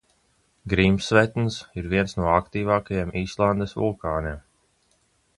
Grimsvetns ir viens no aktīvākajiem Islandes vulkāniem.